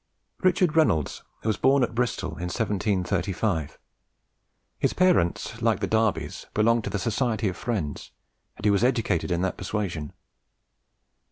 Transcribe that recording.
Richard Reynolds was born at Bristol in 1735. His parents, like the Darbys, belonged to the Society of Friends, and he was educated in that persuasion.